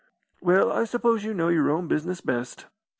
"Well, I suppose you know your own business best.